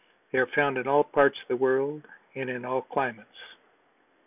They are found in all parts of the world, and in all climates.